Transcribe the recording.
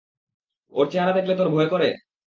ওর চেহারা দেখলে তোর ভয় করে?